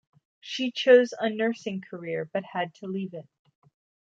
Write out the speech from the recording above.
She chose a nursing career but had to leave it.